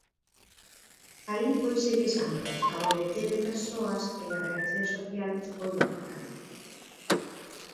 Aí fóiselles a man ao deteren persoas e a reacción social foi importante.